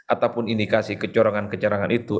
ataupun indikasi kecorangan kecurangan itu